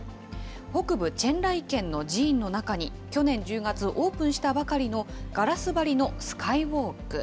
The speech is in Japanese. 北部チェンライ県の寺院の中に、去年１０月オープンしたばかりのガラス張りのスカイウォーク。